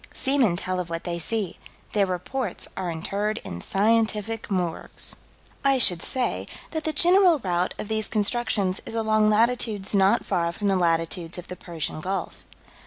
Seamen tell of what they see: their reports are interred in scientific morgues. I should say that the general route of these constructions is along latitudes not far from the latitudes of the Persian Gulf.